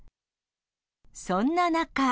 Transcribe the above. そんな中。